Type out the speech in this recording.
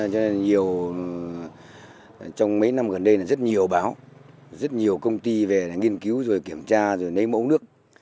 cho nên nhiều trong mấy năm gần đây là rất nhiều báo rất nhiều công ty về nghiên cứu rồi kiểm tra rồi lấy mẫu nước